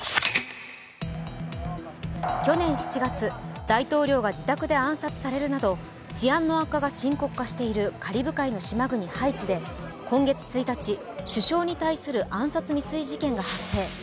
去年７月、大統領が自宅で暗殺されるなど治安の悪化が深刻化しているカリブ海の島国・ハイチで今月１日、首相に対する暗殺未遂事件が発生。